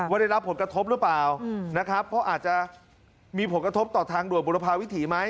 ได้รับผลกระทบหรือเปล่านะครับเพราะอาจจะมีผลกระทบต่อทางด่วนบุรพาวิถีไหม